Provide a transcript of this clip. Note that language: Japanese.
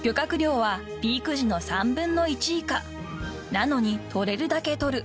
［なのに捕れるだけ捕る］